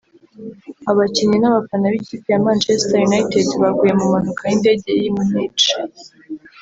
Abakinnyi n’abafana b’ikipe ya Manchester United baguye mu mpanuka y’indege y’I Munich